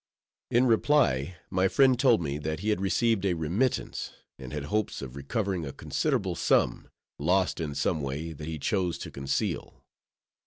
In reply my friend told me, that he had received a remittance, and had hopes of recovering a considerable sum, lost in some way that he chose to conceal.